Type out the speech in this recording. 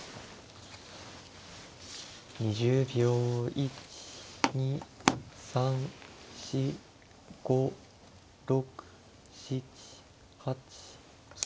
１２３４５６７８９。